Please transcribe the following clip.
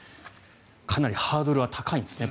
かなりハードルは高いんですね